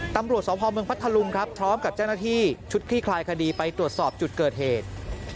ตำรวจสพเมืองพัทธลุงครับพร้อมกับเจ้าหน้าที่ชุดคลี่คลายคดีไปตรวจสอบจุดเกิดเหตุ